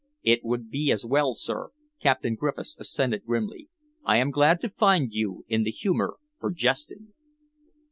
"It would be as well, sir," Captain Griffiths assented grimly. "I am glad to find you in the humour for jesting."